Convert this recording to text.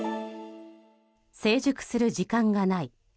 成熟する時間がない。